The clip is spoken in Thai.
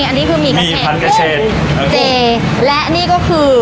อันนี้คือหมี่กะเพราเจและนี่ก็คือ